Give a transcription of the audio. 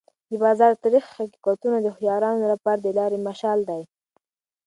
د بازار تریخ حقیقتونه د هوښیارانو لپاره د لارې مشال دی.